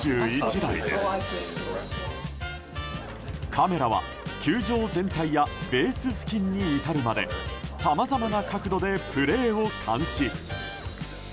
カメラは球場全体やベース付近に至るまでさまざまな角度でプレー監視。